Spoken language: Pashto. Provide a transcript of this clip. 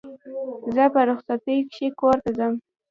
زه په رخصتیو کښي کور ته ځم.